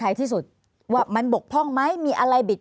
ภารกิจสรรค์ภารกิจสรรค์